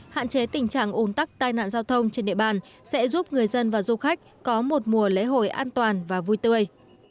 hạn chế tình trạng ủn tắc tai nạn giao thông trên địa bàn sẽ giúp người dân và du khách có một mùa lễ hội an toàn và vui tươi